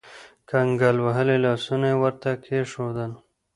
کنګل وهلي لاسونه يې ورته کېښودل.